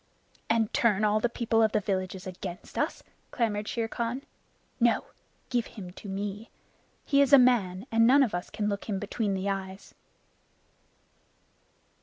"And turn all the people of the villages against us?" clamored Shere Khan. "No, give him to me. He is a man, and none of us can look him between the eyes."